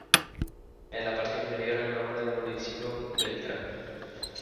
En la parte inferior el nombre del municipio."Beltrán".